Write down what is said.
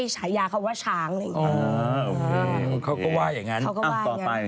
อ๋อใช่เขาบอกว่าช้างเป็นสัตว์มงคล